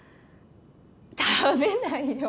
食べないよ。